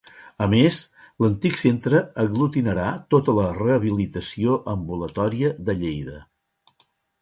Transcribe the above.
A més, l'antic centre aglutinarà tota la rehabilitació ambulatòria de Lleida.